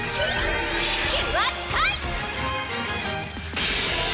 キュアスカイ！